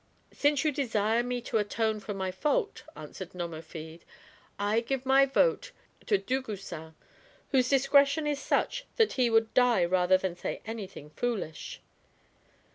"Since you desire me to atone for my fault," answered Nomerfide, " I give my vote to Dagoucin, whose discretion is such that he would die rather than say anything foolish."